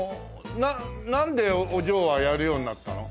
なんでお嬢はやるようになったの？